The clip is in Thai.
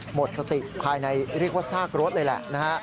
หมดสติภายในเรียกว่าซากรถเลยแหละนะฮะ